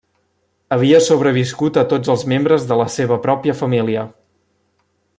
Havia sobreviscut a tots els membres de la seva pròpia família.